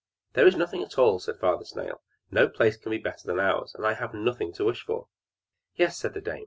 "There is nothing at all," said Father Snail. "No place can be better than ours, and I have nothing to wish for!" "Yes," said the dame.